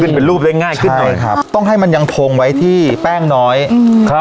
อ๋อขึ้นเป็นรูปเร่งง่ายขึ้นเลยครับต้องให้มันยังทงไว้ที่แป้งน้อยครับ